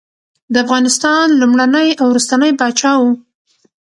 د افغانستان لومړنی او وروستنی پاچا وو.